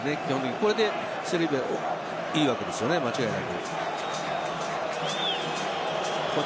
これでセルビアはいいわけですよね、間違いなく。